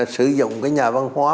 sử dụng cái nhà văn hóa